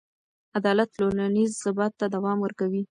عدالت ټولنیز ثبات ته دوام ورکوي.